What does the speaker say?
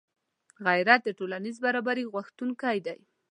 غیرت د ټولنیز برابري غوښتونکی دی